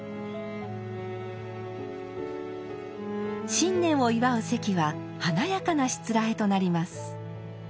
新年を祝う席は華やかなしつらえとなります。